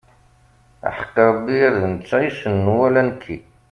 Aḥeqq Rebbi ar d nettat i yessnen wala nekki.